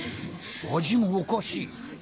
味もおかしい。